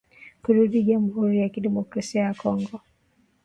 kurudi jamhuri ya kidemokrasia ya Kongo